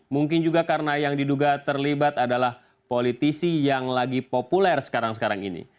mungkin juga karena yang diduga terlibat adalah politisi yang lagi populer sekarang sekarang ini